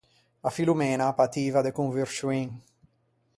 A Filomena a pativa de convurscioin.